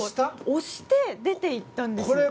押して、出ていったんです。